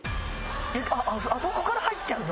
あそこから入っちゃうの？